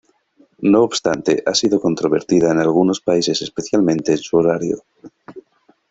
No obstante ha sido controvertida en algunos países especialmente en su horario.